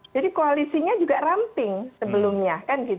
jadi koalisinya juga ramping sebelumnya